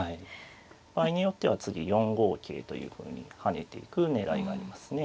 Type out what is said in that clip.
場合によっては次４五桂というふうに跳ねていく狙いがありますね。